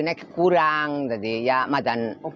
mengapa perintahan idul adha ini lebih